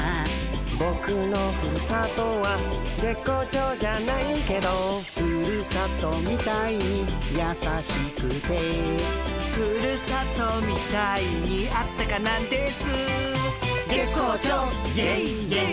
「ボクのふるさとは月光町じゃないケド」「ふるさとみたいにやさしくて」「ふるさとみたいにあったかなんですー」「月光町イエイイエイ」